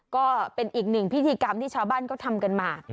ก็เป็นอีกหนึ่งพิธีกรรมที่ชาวบ้านก็ทำกันมา